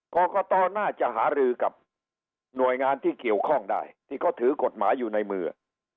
กรกตน่าจะหารือกับหน่วยงานที่เกี่ยวข้องได้ที่เขาถือกฎหมายอยู่ในมือ